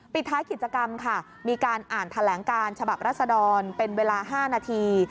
ปิดท้ายกิจกรรมค่ะมีการอ่านแถลงการฉบับรัศดรเป็นเวลา๕นาที